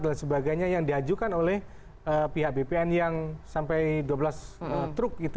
dan sebagainya yang diajukan oleh pihak bpn yang sampai dua belas truk gitu